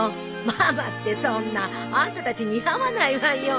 ママってそんなあんたたち似合わないわよ。